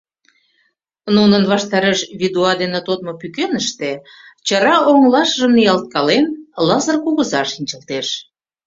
Нунын ваштареш вӱдуа дене тодмо пӱкеныште, чара оҥылашыжым ниялткален, Лазыр кугыза шинчылтеш.